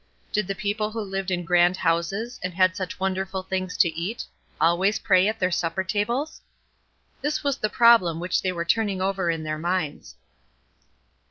Did the people who lived in grand houses, and had such wonderful things to eat, always pray at their supper tables? This was the problem which they were turning over in their minds.